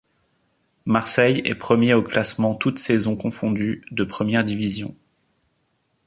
Marseille est premier au classement toutes saisons confondues de première division.